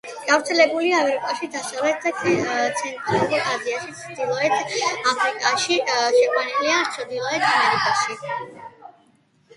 გავრცელებულია ევროპაში, დასავლეთ და ცენტრალურ აზიაში, ჩრდილოეთ აფრიკაში, შეყვანილია ჩრდილოეთ ამერიკაში.